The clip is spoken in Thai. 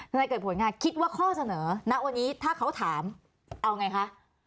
นายเกิดผลค่ะคิดว่าข้อเสนอณวันนี้ถ้าเขาถามเอาไงคะ